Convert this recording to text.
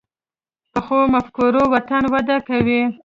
پخو مفکورو وطن وده کوي